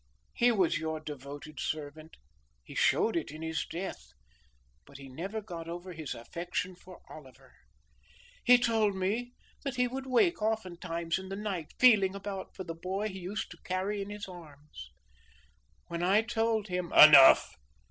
He was your devoted servant, he showed it in his death, but he never got over his affection for Oliver. He told me that he would wake oftentimes in the night feeling about for the boy he used to carry in his arms. When I told him " "Enough!